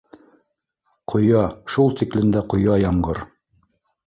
Ҡоя, шул тиклем дә ҡоя ямғыр